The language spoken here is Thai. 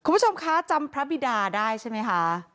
คุณผู้ชมคะจำพระบิดาได้ใช่ไหมคะ